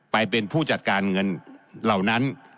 ไปเป็นผู้จัดการเงินเหล่านั้น